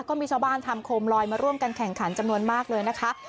ก็มีชาวบ้านทำโคมลอยมาร่วมกันแข่งขันจำนวนมากเลยนะคะ